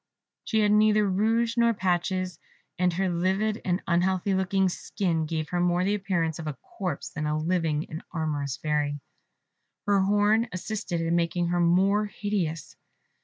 She had neither rouge nor patches; and her livid and unhealthy looking skin, gave her more the appearance of a corpse than of a living and amorous Fairy. Her horn assisted in making her more hideous.